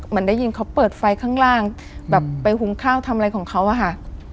เหมือนได้ยินเขาเปิดไฟข้างล่างแบบไปหุงข้าวทำอะไรของเขาอะค่ะ